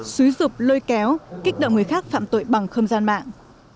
xúi dục lôi kéo kích động người khác phạm tội bằng không gian mạng